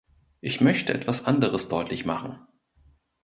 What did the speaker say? Ich möchte etwas anderes deutlich machen.